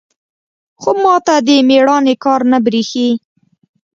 خو ما ته د ميړانې کار نه بريښي.